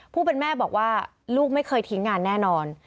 ผู้เป็นแม่บอกว่าลูกไม่เคยทิ้งงานแน่นอน